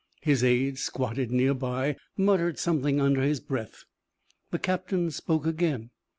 His aide, squatted near by, muttered something under his breath. The captain spoke again.